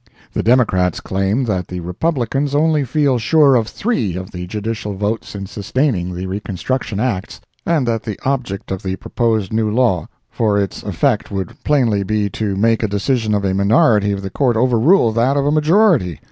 The Democracy claim that the Republicans only feel sure of three of the judicial votes in sustaining the Reconstruction Acts, and that the object of the proposed new law, for its effect would plainly be to make a decision of a minority of the Court overrule that of a majority!